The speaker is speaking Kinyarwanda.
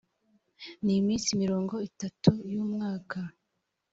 ni iminsi mirongo itatu y ‘umwaka.